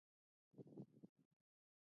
آیا خلک پور اخیستلی شي؟